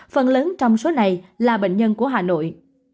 phần lớn trong số này là bệnh nhân của hà nội